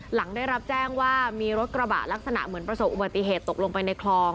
หลังได้รับแจ้งว่ามีรถกระบะลักษณะเหมือนประสบอุบัติเหตุตกลงไปในคลอง